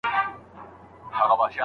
جاپان به زموږ مالونه ونه اخلي.